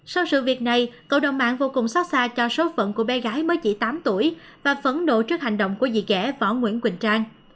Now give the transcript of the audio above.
sau sự việc này cộng đồng mạng vô cùng xót xa cho số phận của bé gái mới chỉ tám tuổi và phẫn độ trước hành động của dị kẻ võ nguyễn quỳnh trang